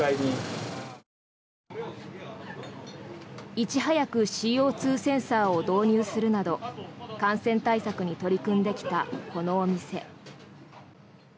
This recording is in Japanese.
いち早くＣＯ２センサーを導入するなど感染対策に取り組んできたこのお店。